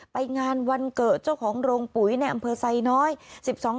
ไปงานวันเกิดเจ้าของโรงปุ๋ยในอำเภอไซน้อย